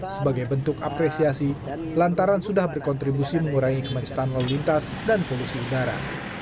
sebagai bentuk apresiasi lantaran sudah berkontribusi mengurangi kemacetan lalu lintas dan polusi udara